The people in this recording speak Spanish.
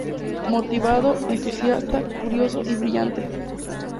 Motivado, entusiasta, curioso y brillante.